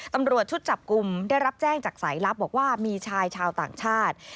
ตำรวจชุดจับกลุ่มได้รับแจ้งจากสายลับบอกว่ามีชายชาวต่างชาติ